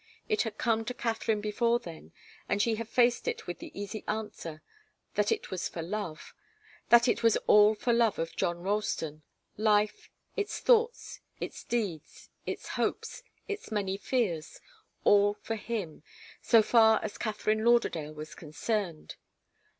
It had come to Katharine before then, and she had faced it with the easy answer, that it was for love that it was all for love of John Ralston life, its thoughts, its deeds, its hopes, its many fears all for him, so far as Katharine Lauderdale was concerned.